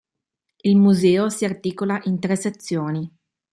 Il museo si articola in tre sezioni.